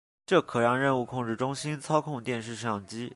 这可让任务控制中心操控电视摄像机。